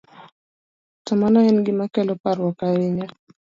to mano en gima kelo parruok ahinya.